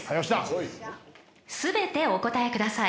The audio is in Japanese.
［全てお答えください］